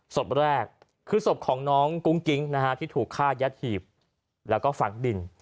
ศพแรกคือศพของน้องกุ้งกิ๊งนะฮะที่ถูกฆ่ายัดหีบแล้วก็ฝังดิน